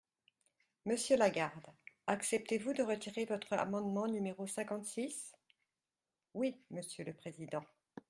Monsieur Lagarde, acceptez-vous de retirer votre amendement numéro cinquante-six ? Oui, monsieur le président.